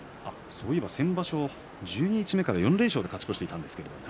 先場所、十二日目から４連勝で勝ち越していました。